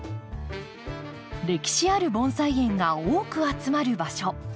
歴史ある盆栽園が多く集まる場所。